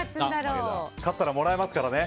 勝ったらもらえますからね。